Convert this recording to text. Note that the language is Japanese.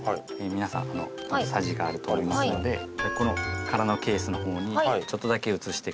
皆さんさじがあると思いますのでこの空のケースの方にちょっとだけ移してください。